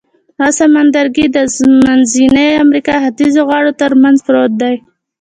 دا سمندرګي د منځنۍ امریکا ختیځو غاړو تر منځ پروت دی.